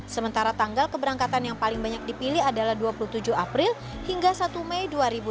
sementara tanggal keberangkatan yang paling banyak dipilih adalah dua puluh tujuh april hingga satu mei dua ribu delapan belas